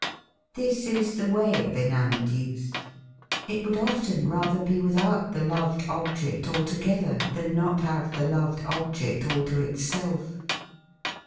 This is the way of enamoured youth. It would often rather be without the loved object altogether than not have the loved object all to itself.